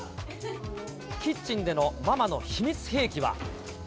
キッチンでのママの秘密兵器は。